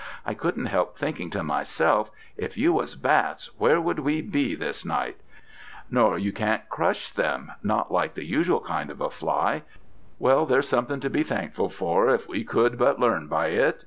I couldn't help thinking to myself, "If you was bats, where should we be this night?" Nor you can't cresh 'em, not like a usual kind of a fly. Well, there's something to be thankful for, if we could but learn by it.